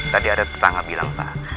tadi ada tetangga bilang pak